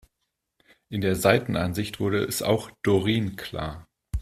In der Seitenansicht wurde es auch Doreen klar.